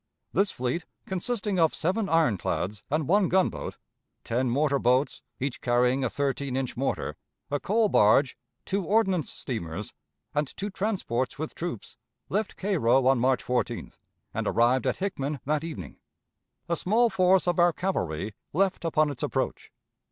This fleet, consisting of seven ironclads and one gun boat, ten mortar boats, each carrying a thirteen inch mortar, a coal barge, two ordnance steamers, and two transports with troops, left Cairo on March 14th, and arrived at Hickman that evening. A small force of our cavalry left upon its approach.